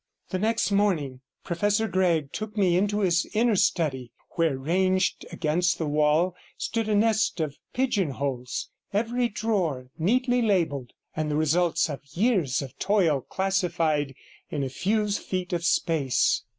The next morning Professor Gregg took me into his inner study, where, ranged against the wall, stood a nest of pigeonholes, every drawer neatly labelled, and the results of years of toil classified in a few feet of space.